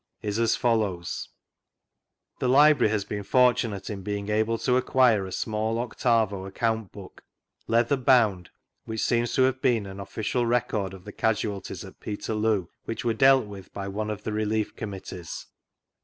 191) is as follows: — "The Library has been fortunate in being able to acquire a small octavo account book, leather bound, which seems to have been an official record of the casualties at Peterloo which were dealt with by one of the Relief Committees.